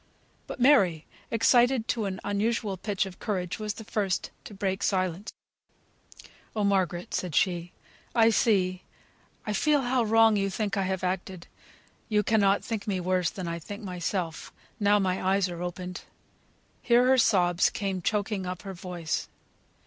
But Mary, excited to an unusual pitch of courage, was the first to break silence. "Oh, Margaret!" said she, "I see I feel how wrong you think I have acted; you cannot think me worse than I think myself, now my eyes are opened." Here her sobs came choking up her voice.